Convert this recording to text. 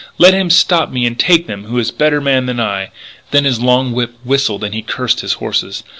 "Let him stop me and take them who is a better man than I!" Then his long whip whistled and he cursed his horses.